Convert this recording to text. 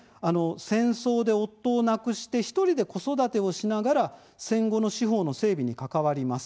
戦争で夫を亡くして１人で子育てをしながら戦後の司法の整備に関わります。